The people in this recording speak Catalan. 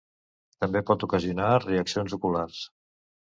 També pot ocasionar reaccions oculars.